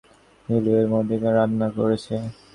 নীলু এর মধ্যে রান্না করেছে।